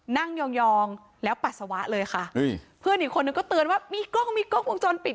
ยองแล้วปัสสาวะเลยค่ะเพื่อนอีกคนนึงก็เตือนว่ามีกล้องมีกล้องวงจรปิด